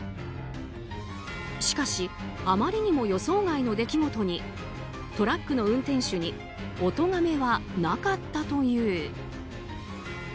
しかしあまりにも予想外の出来事にトラックの運転手におとがめはなかったという。